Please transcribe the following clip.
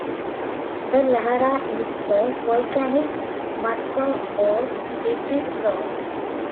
A lahar is a volcanic mudflow or debris flow.